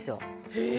へえ。